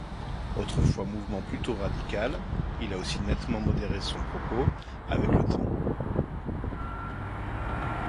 Autrefois mouvement plutôt radical, il a aussi nettement modéré son propos avec le temps.